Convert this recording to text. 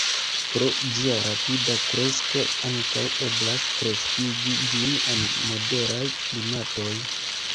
Pro ĝia rapida kresko ankaŭ eblas kreskigi ĝin en moderaj klimatoj.